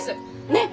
ねっ！